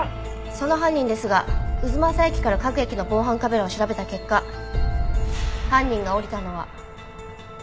その犯人ですが太秦駅から各駅の防犯カメラを調べた結果犯人が降りたのは。